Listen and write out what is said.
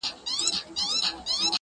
o سل ئې مړه کړه لا ئې بدي نه بولې!